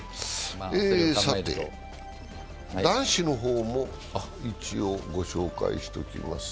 さて男子の方も一応、ご紹介しておきます。